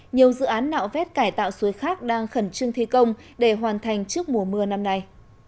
nhiều dự án nạo vét cải tạo suối khác đang khẩn trương thi công để hoàn thành trước mùa mưa năm nay